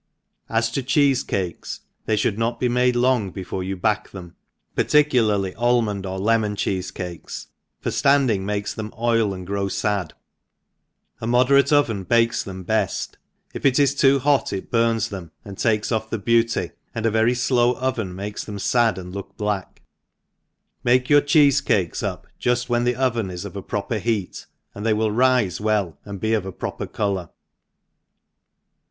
—As to cheefefcakes, they (hoisld not be made long before you bake them, parti cularly almond or lemon cheefe cakes^ for Aand ing makes them oil and grow l(ad, a moderate oven bakes them beft, if it is too hot it barn$ then! and takes off the beauty, and, a very flow oven makes them fad and look black , make your cheefe cakes up juft when the oven is of a pro* per heat, and they will rif^ well and be of ) proper colour.